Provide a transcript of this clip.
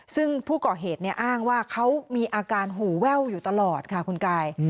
ซึ่งผู้ก่อเหตุอ้างว่าเขามีอาการหูแว่วอยู่ตลอดค่ะคุณกาย